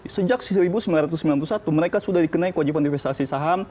sejak seribu sembilan ratus sembilan puluh satu mereka sudah dikenai kewajiban investasi saham